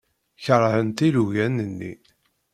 Keṛhent ilugan-nni.